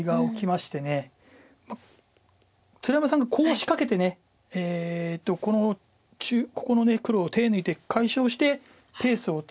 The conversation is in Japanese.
鶴山さんがコウを仕掛けてこのここの黒を手抜いて解消してペースをつかみました。